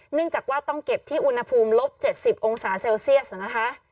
เนื่องจากว่าต้องเก็บที่อุณหภูมิลบ๗๐องศาเซลเซียสนะคะ